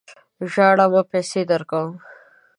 ژاړه مه ! پیسې درکوم.